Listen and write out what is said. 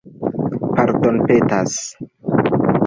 pardonpetas